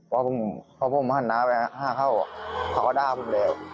เพราะผมพอผมมาหั่นน้าไปมาหาก้าวเขาก็ด้าผมแล้ว